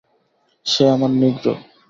সে আমার নিগ্রো।